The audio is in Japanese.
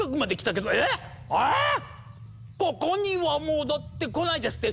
ここには戻ってこないですって